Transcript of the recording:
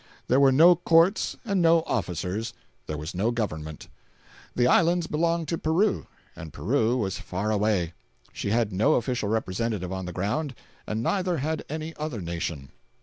There were no courts and no officers; there was no government; the islands belonged to Peru, and Peru was far away; she had no official representative on the ground; and neither had any other nation.